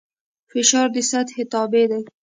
فشار د سطحې تابع دی.